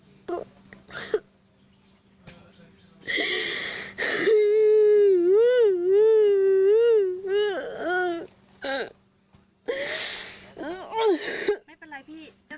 เจ๊กกระยุวา